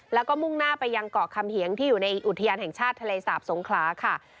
แล้วก็มุ่งหน้าไปยังเกาะคำเหียงที่อยู่ในอุทยานแห่งชาติทะเลสาบสงขลาค่ะ